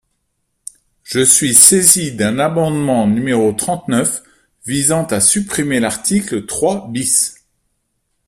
Je suis saisi d’un amendement numéro trente-neuf visant à supprimer l’article trois bis.